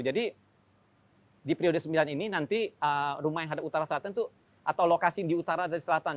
jadi di periode sembilan ini nanti rumah yang hadap utara dan selatan itu atau lokasi di utara dari selatan